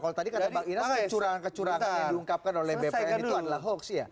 kalau tadi kata bang inas kecurangan kecurangan yang diungkapkan oleh bpn itu adalah hoax ya